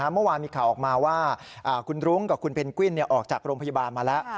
เมื่อวานมีข่าวออกมาว่าคุณรุ้งกับคุณเพนกวินออกจากโรงพยาบาลมาแล้ว